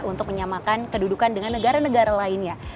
untuk menyamakan kedudukan dengan negara negara lainnya